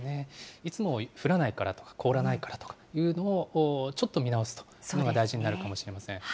いつも降らないからとか、凍らないからというのも、ちょっと見直すと、そういうのが大事になるかもしれません。